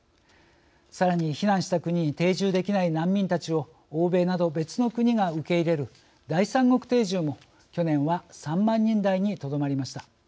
さらに避難した国に定住できない難民たちを欧米など別の国が受け入れる第三国定住も去年は３万人台にとどまりました。